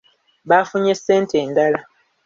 Baafunye ssente endala.